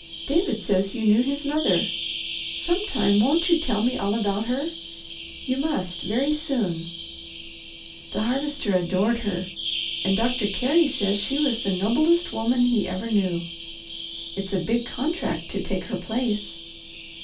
David says you knew his mother. Sometime won't you tell me all about her? You must very soon. The Harvester adored her, and Doctor Carey says she was the noblest woman he ever knew. It's a big contract to take her place.